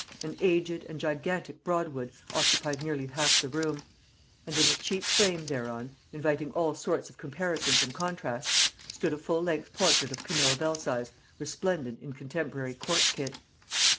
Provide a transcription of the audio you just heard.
An aged and gigantic Broadwood occupied nearly half the room; and in a cheap frame thereon, inviting all sorts of comparisons and contrasts, stood a full length portrait of Camilla Belsize resplendent in contemporary court kit.